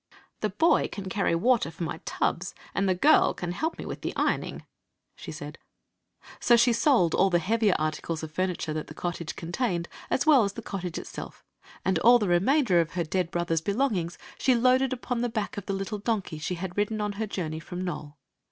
"The boy can carry water for my tulK» and ^ girl can help me with die ironing," she said. So she sold all the heavier articles of furniture that the cottage contained, as well as the cottage itself; and all the remainder of her dead brother's bekmg Queen Zixi of Ix; or, the ings she loaded upon the back of the little donkey she had ridden on her journey from Nole.